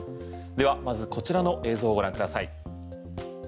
では、まずこちらの映像をご覧ください。